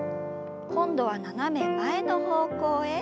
今度は斜め前の方向へ。